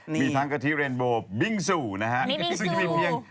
มีทั้งกะทิเรนโบว์บิงซูนะฮะเขาสุดยอดที่ก็มีเสียง